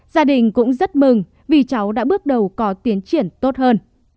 gia đình cũng rất mừng vì cháu đã bước đầu có tiến triển tốt hơn